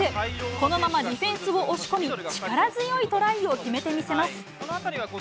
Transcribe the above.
このままディフェンスを押し込み、力強いトライを決めてみせます。